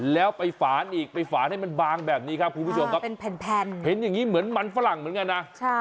แล้วไปฝานอีกไปฝานให้มันบางแบบนี้ครับคุณผู้ชมครับเป็นแผ่นเห็นอย่างนี้เหมือนมันฝรั่งเหมือนกันนะ